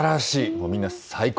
もうみんな最高！